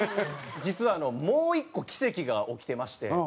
実はもう１個奇跡が起きてまして。